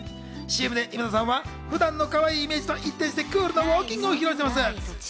ＣＭで今田さんは普段のかわいいイメージとは一転して、クールなウォーキングを披露しています。